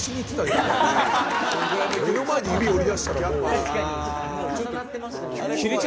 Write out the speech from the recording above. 目の前で指折りだしたらもう。